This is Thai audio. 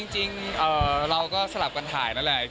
จริงเราก็สลับกันถ่ายนั่นแหละ